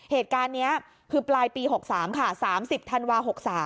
เหตุการณ์นี้คือปลายปี๖๓ค่ะ๓๐ธันวา๖๓